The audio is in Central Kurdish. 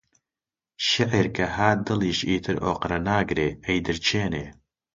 شیعر کە هات دڵیش ئیتر ئۆقرە ناگرێ، ئەیدرکێنێ